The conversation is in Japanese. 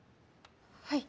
はい。